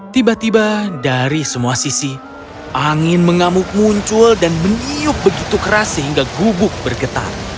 tiba tiba dari semua sisi angin mengamuk muncul dan meniup begitu keras sehingga gubuk bergetar